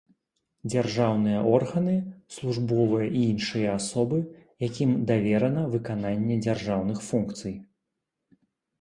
Дзяржаўныя органы, службовыя і іншыя асобы, якім даверана выкананне дзяржаўных функцый.